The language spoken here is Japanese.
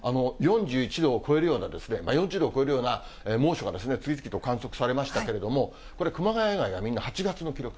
４１度を超えるような、４０度を超えるような猛暑が次々と観測されましたけれども、これ、熊谷以外がみんな８月の記録。